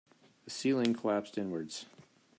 The ceiling collapsed inwards.